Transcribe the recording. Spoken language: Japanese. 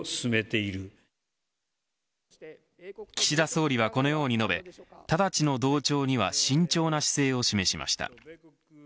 岸田総理はこのように述べただちの同調には慎重な姿勢を示しました。